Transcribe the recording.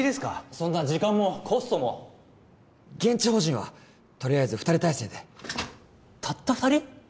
そんな時間もコストも現地法人はとりあえず２人体制でたった２人？